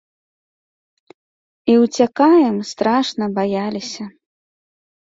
І ўцякаем, страшна, баяліся.